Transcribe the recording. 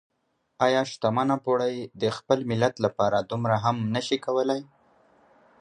ايا شتمنه پوړۍ د خپل ملت لپاره دومره هم نشي کولای؟